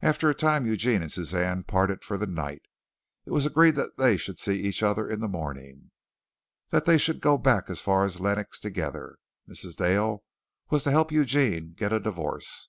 After a time Eugene and Suzanne parted for the night. It was agreed that they should see each other in the morning, that they should go back as far as Lenox together. Mrs. Dale was to help Eugene get a divorce.